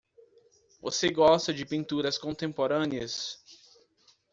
Você gosta de pinturas contemporâneas?